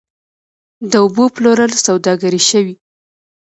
د اوبو پلورل سوداګري شوې؟